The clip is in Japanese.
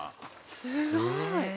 すごい。